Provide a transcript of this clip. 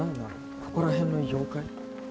ここら辺の妖怪？